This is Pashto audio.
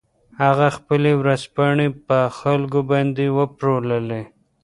هغه خپلې ورځپاڼې په خلکو باندې وپلورلې.